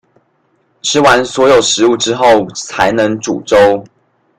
吃完所有食物之後才能煮粥